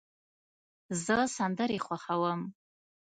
زه سندرې خوښوم.